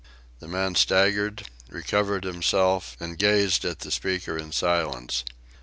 The man staggered, recovered himself, and gazed at the speaker in silence.